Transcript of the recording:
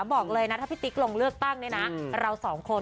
ขอบอกเลยถ้าปีกลงเลือกตั้งนะครับทุกคน